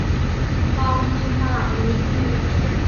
ลองกินสลัดนี้ดู